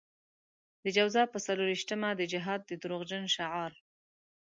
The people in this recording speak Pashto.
د جوزا په څلور وېشتمه د جهاد د دروغجن شعار.